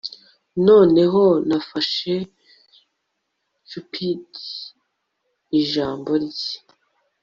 noneho, nafashe cupid ijambo rye